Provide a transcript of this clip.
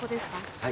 はい。